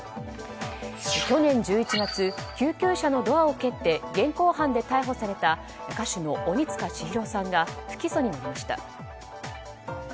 去年１１月救急車のドアを蹴って現行犯で逮捕された歌手の鬼束ちひろさんが不起訴になりました。